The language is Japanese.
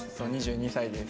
２２歳です。